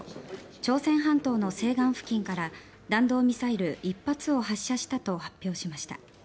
朝鮮半島の西岸付近から弾道ミサイル１発を発射したと発表しました。